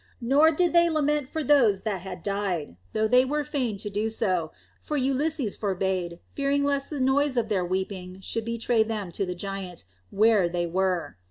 Nor did they lament for those that had died, though they were fain to do so, for Ulysses forbade, fearing lest the noise of their weeping should betray them to the giant, where they were.